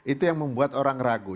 itu yang membuat orang ragu